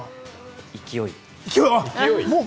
勢い。